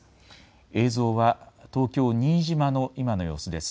映像は東京新島の今の様子です。